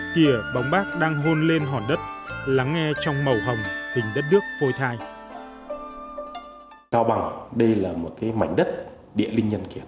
kia bóng bác đang hôn lên hòn đất lắng nghe trong màu hồng hình đất nước phôi thai